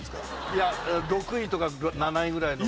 いや６位とか７位ぐらいの。